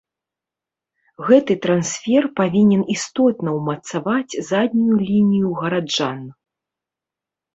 Гэты трансфер павінен істотна ўмацаваць заднюю лінію гараджан.